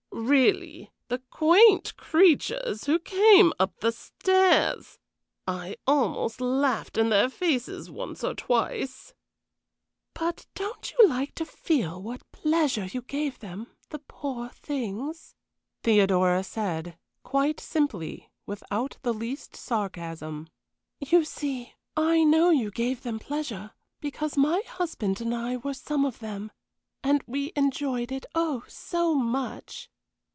Really, the quaint creatures who came up the stairs! I almost laughed in their faces once or twice." "But don't you like to feel what pleasure you gave them, the poor things?" Theodora said, quite simply, without the least sarcasm. "You see, I know you gave them pleasure, because my husband and I were some of them and we enjoyed it, oh, so much!"